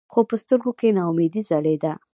خو پۀ سترګو کښې ناامېدې ځلېده ـ